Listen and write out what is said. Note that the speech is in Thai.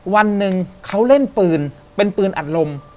วันหนึ่งเขาเล่นปืนเป็นปืนอัดลม